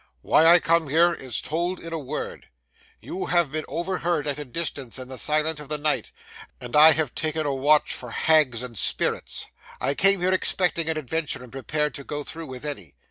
'Why I came here is told in a word; you have been overheard at a distance in the silence of the night, and I have undertaken a watch for hags or spirits. I came here expecting an adventure, and prepared to go through with any.